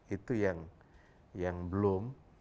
itu yang belum